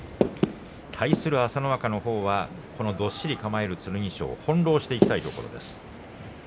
対する朝乃若のほうはこのどっしり構える剣翔を翻弄していきたいところです。